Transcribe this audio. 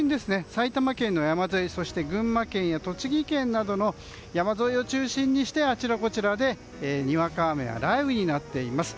埼玉県の山沿いそして群馬県や栃木県の山沿いを中心にあちらこちらでにわか雨や雷雨になっています。